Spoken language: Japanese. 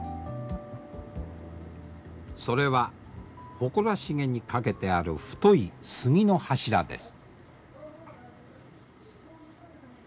それは誇らしげに掛けてある太い杉の柱です。